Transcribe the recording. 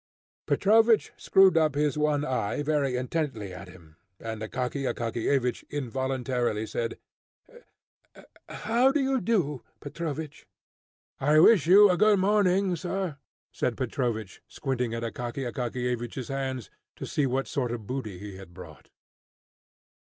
Petrovich screwed up his one eye very intently at him, and Akaky Akakiyevich involuntarily said, "How do you do, Petrovich?" "I wish you a good morning, sir," said Petrovich squinting at Akaky Akakiyevich's hands, to see what sort of booty he had brought.